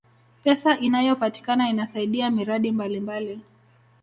pesa inayopatikana inasaidia miradi mbalimbali